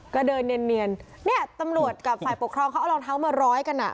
ก็เดินเนียนเนี่ยตำรวจกับฝ่ายปกครองเขาเอารองเท้ามาร้อยกันอ่ะ